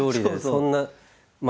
そんな。